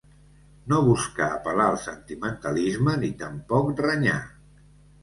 No busca apel·lar al sentimentalisme ni tampoc renyar.